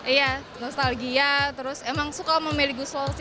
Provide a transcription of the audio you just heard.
iya nostalgia terus emang suka sama mary gusell